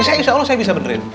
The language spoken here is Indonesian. saya insya allah saya bisa benerin